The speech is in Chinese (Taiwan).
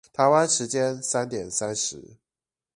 台灣時間三點三十